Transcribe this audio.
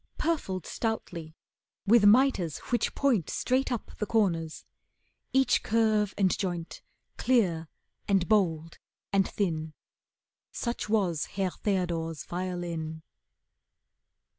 Purfled stoutly, with mitres which point Straight up the corners. Each curve and joint Clear, and bold, and thin. Such was Herr Theodore's violin.